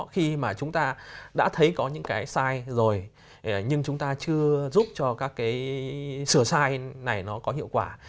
khi mà chúng ta đã thấy có những cái sai rồi nhưng chúng ta chưa giúp cho các cái sửa sai này nó có hiệu quả